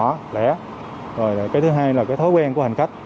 nhỏ lẻ rồi cái thứ hai là cái thói quen của hành khách